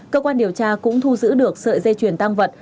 cơ quan điều tra cũng thu giữ được sợi dây chuyền tăng vật